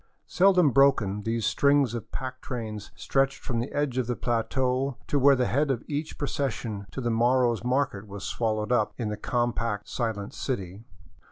Seldom broken, these strings of pack trains stretched from the edge of the plateau to where the head of each pro cession to the morrow's market was swallowed up in the compact, silent city.